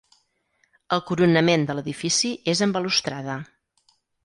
El coronament de l'edifici és amb balustrada.